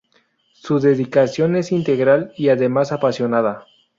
Su dedicación es integral y además apasionada.